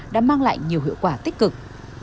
đã mang lại nhiều hiệu quả tích cực